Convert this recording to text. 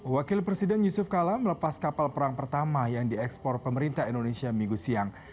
wakil presiden yusuf kala melepas kapal perang pertama yang diekspor pemerintah indonesia minggu siang